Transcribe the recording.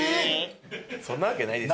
そんなわけないです。